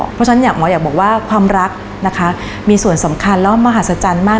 เพราะฉะนั้นหมออยากบอกว่าความรักนะคะมีส่วนสำคัญและมหัศจรรย์มาก